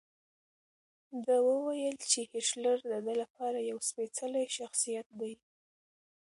ده وویل چې هېټلر د ده لپاره یو سپېڅلی شخصیت دی.